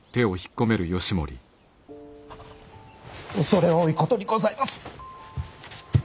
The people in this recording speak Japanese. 恐れ多いことにございます。